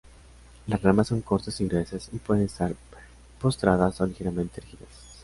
Las ramas son cortas y gruesas y pueden estar postradas o ligeramente erguidas.